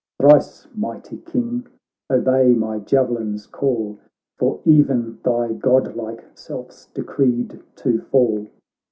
Thrice mighty King, obey my javelin's call. For e'en thy godlike self's decreed to fall!'